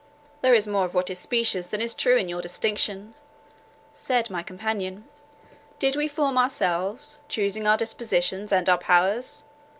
"There is more of what is specious than true in your distinction," said my companion. "Did we form ourselves, choosing our dispositions, and our powers?